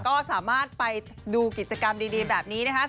ก็สามารถไปดูกิจกรรมดีแบบนี้นะคะ